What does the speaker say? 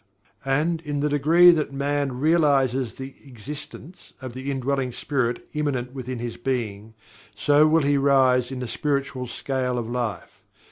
And, in the degree that Man realizes the existence of the Indwelling Spirit immanent within his being, so will he rise in the spiritual scale of life.